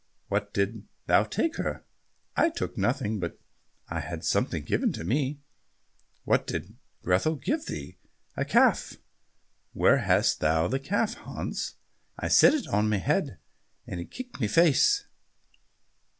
"What didst thou take her?" "I took nothing, but had something given me." "What did Grethel give thee?" "A calf." "Where hast thou the calf, Hans?" "I set it on my head and it kicked my face."